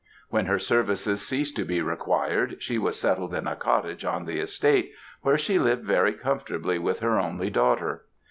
When her services ceased to be required, she was settled in a cottage on the estate, where she lived very comfortably with her only daughter.